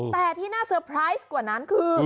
แต่ที่น่าเซอร์ไพรส์กว่านั้นคือ